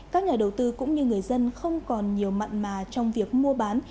các nhà đầu tư cũng như người dân không còn nhiều mặn mà trong việc mua bán